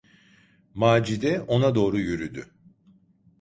Macide ona doğru yürüdü.